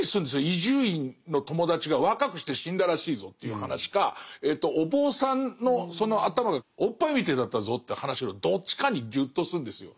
伊集院の友達が若くして死んだらしいぞっていう話かお坊さんのその頭がおっぱいみてえだったぞって話のどっちかにギュッとするんですよ。